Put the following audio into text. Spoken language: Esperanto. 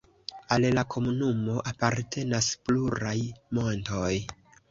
Al la komunumo apartenas pluraj montoj.